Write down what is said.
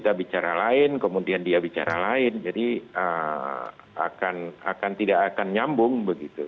kita bicara lain kemudian dia bicara lain jadi tidak akan nyambung begitu